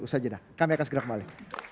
ustaz jeddah kami akan segera kembali